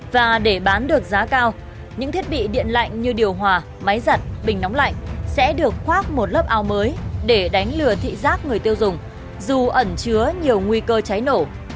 và để bán được giá cao những thiết bị điện lạnh như điều hòa máy giặt bình nóng lạnh sẽ được khoác một lớp ao mới để đánh lừa thị giác người tiêu dùng dù ẩn chứa nhiều nguy cơ cháy nổ